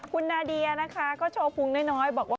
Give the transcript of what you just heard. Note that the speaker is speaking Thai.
คุณนาเดียนะคะก็โชว์พุงน้อยบอกว่า